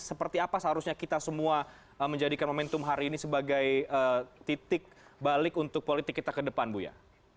seperti apa seharusnya kita semua menjadikan momentum hari ini sebagai titik balik untuk politik kita ke depan buya